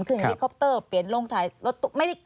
คือเฮลิคอปเตอร์เปลี่ยนล่วงท้ายรถตรง